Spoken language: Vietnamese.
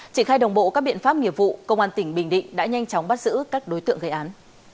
triển khai đồng bộ các biện pháp nghiệp vụ công an tỉnh bình định đã nhanh chóng bắt giữ các đối tượng gây án